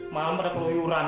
malem pada keluyuran